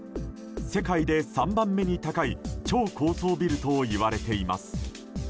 世界で３番目に高い超高層ビルといわれています。